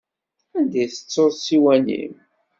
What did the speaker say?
Anda i tettuḍ ssiwan-im?